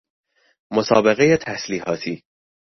مسابقه تسلیحاتی